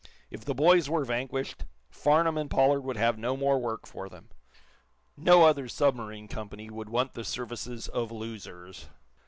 If the boys were vanquished, Farnum and Pollard would have no more work for them. No other submarine company would want the services of losers.